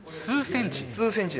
数センチ？